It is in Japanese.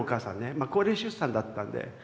まあ高齢出産だったんで。